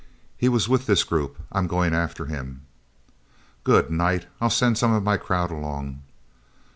He was with this group. I'm going after him." "Good night...! I'll send some of my crowd along."